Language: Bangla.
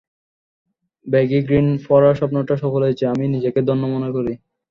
ব্যাগি গ্রিন পরার স্বপ্নটা সফল হয়েছে, আমি নিজেকে ধন্য মনে করি।